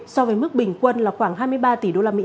so với mức bình quân là khoảng hai mươi ba tỷ đô la mỹ